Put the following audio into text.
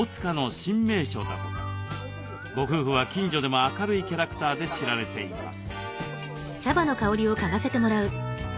ご夫婦は近所でも明るいキャラクターで知られています。